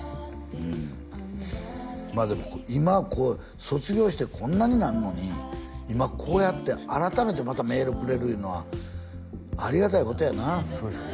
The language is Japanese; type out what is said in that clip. うんまあでも今卒業してこんなになんのに今こうやって改めてまたメールくれるいうのはありがたいことやなそうですよね